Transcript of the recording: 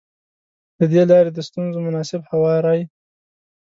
له دې لارې د ستونزو مناسب هواری.